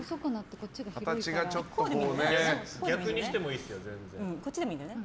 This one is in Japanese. こっちでもいいんだよね。